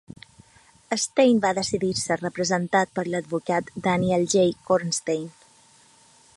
Steyn va decidir ser representat per l'advocat Daniel J. Kornstein.